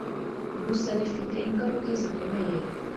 gusa rifite ingaruka zikomeye,